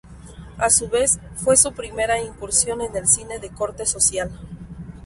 A su vez fue su primera incursión en el cine de corte social.